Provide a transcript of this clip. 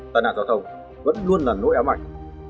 tai nạn giao thông vẫn luôn là nỗi ám ảnh